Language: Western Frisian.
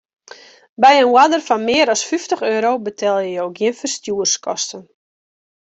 By in oarder fan mear as fyftich euro betelje jo gjin ferstjoerskosten.